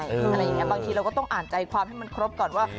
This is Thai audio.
อะไรอย่างนี้บางทีเราก็ต้องอ่านใจความให้มันครบก่อนว่า